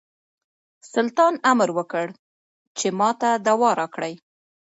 سلطان امر وکړ چې ماته دوا راکړي.